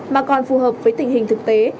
mà còn phù hợp với tình hình thực tế